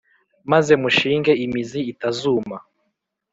maze mushinge imizi itazuma